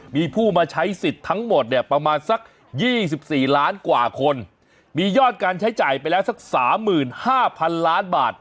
มีผู้มาใช้สิทธิ์ทั้งหมดเนี่ยประมาณสัก๒๔ล้านกว่าคนมียอดการใช้จ่ายไปแล้วสัก๓๕๐๐๐ล้านบาท